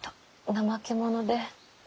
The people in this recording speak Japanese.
怠け者で。